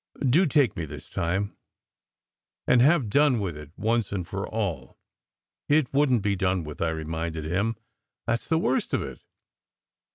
Do take me this time, and have done with it once and for all." "It wouldn t be done with," I reminded him. "That s the worst of it."